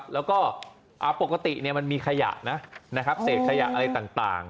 แล้วก็ปกติมันมีขยะนะเศษขยะอะไรต่าง